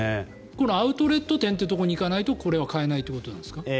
このアウトレット店というところに行かないとこれは買えないということですか？